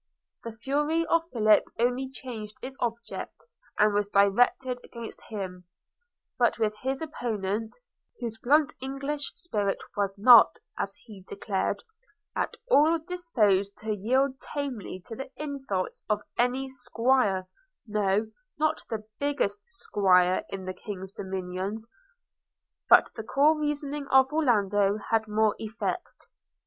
The fury of Philip only changed its object, and was directed against him. But with his opponent, whose blunt English spirit was not, as he declared, 'at all disposed to yield tamely to the insults of any 'squire, no not the biggest 'squire in the king's dominions,' the cool reasoning of Orlando had more effect.